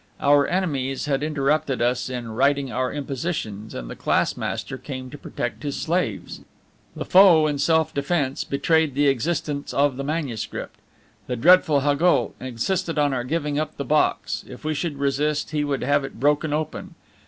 Our enemies had interrupted us in writing our impositions, and the class master came to protect his slaves. The foe, in self defence, betrayed the existence of the manuscript. The dreadful Haugoult insisted on our giving up the box; if we should resist, he would have it broken open.